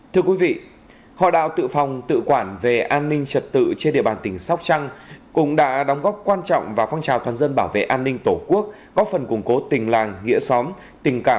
thưa quý vị hội đạo tự phòng tự quản về an ninh trật tự trên địa bàn tỉnh sóc trăng cũng đã đóng góp quan trọng vào phong trào toàn dân bảo vệ an ninh tổ quốc góp phần củng cố tình làng nghĩa xóm